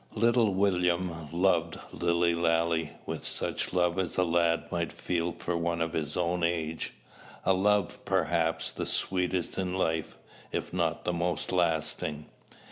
Little William loved Lilly Lalee with such love as a lad may feel for one of his own age, a love perhaps the sweetest in life, if not the most lasting.